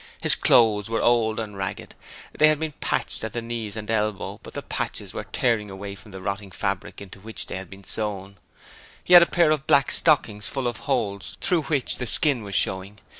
His clothes were old and ragged; they had been patched at the knees and elbows, but the patches were tearing away from the rotting fabric into which they had been sewn. He had on a pair of black stockings full of holes through which the skin was showing.